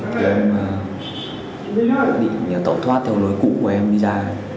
thì ông đã định tạo thoát theo lối cũ của em đi ra